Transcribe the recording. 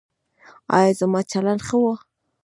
ایا زما چلند ښه و؟